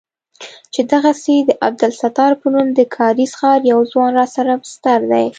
چې دغسې د عبدالستار په نوم د کارېز ښار يو ځوان راسره بستر دى.